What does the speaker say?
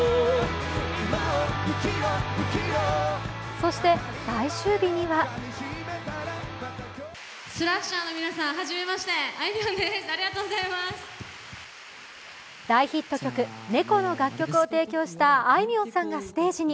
そして、最終日には大ヒット曲「猫」の楽曲を提供したあいみょんさんがステージに。